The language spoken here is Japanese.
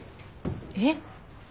えっ？